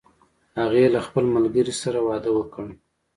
هغې له خپل ملګری سره واده وکړ